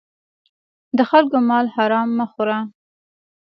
د خلکو مال حرام مه خوره.